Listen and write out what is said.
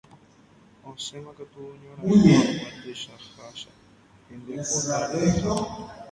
Osẽmakatu oñorairõ hag̃ua tuichaháicha hembipota rehehápe.